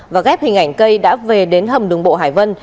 và ghép hình ảnh cây đã về đến hầm đường bộ hải vân